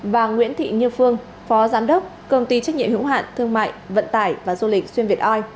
và nguyễn thị như phương phó giám đốc công ty trách nhiệm hữu hạn thương mại vận tải và du lịch xuyên việt oi